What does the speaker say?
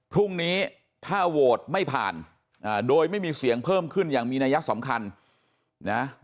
พรุ่งนี้ถ้าโหวตไม่ผ่านโดยไม่มีเสียงเพิ่มขึ้นอย่างมีนัยสำคัญนะ